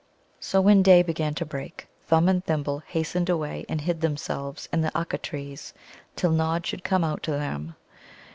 So, when day began to break, Thumb and Thimble hastened away and hid themselves in the Ukka trees till Nod should come out to them.